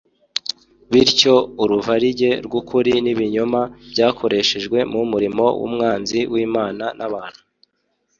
Bityo uruvarige rw'ukuri n'ibinyoma byakoreshejwe mu murimo w'umwanzi w'Imana n'abantu.